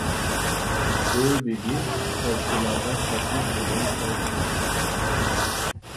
كۆل بېگى سازچىلارغا پەتنۇس بىلەن چاي تۇتىدۇ.